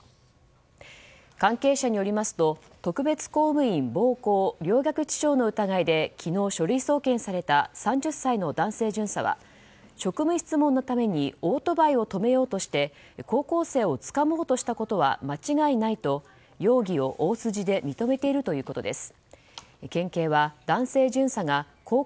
関係者によりますと特別公務員暴行陵虐致傷の疑いで昨日、書類送検された３０歳の男性巡査は職務質問のためにオートバイを止めようとして高校生をつかもうとしたことは間違いないと容疑を大筋で認めているということです。